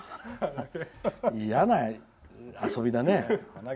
いやな遊びだね。